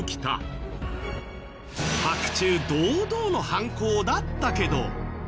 白昼堂々の犯行だったけど。